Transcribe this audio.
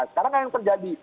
sekarang kan yang terjadi